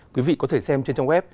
quý vị có thể xem trên trang web